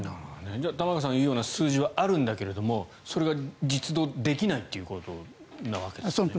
玉川さんが言うような数字はあるんだけどそれは実働できないということなわけですね。